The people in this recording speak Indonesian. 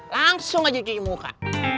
langsung aja cuci muka